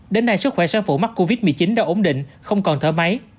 đến nay sức khỏe sáng phủ mắc covid một mươi chín đã ổn định không còn thở máy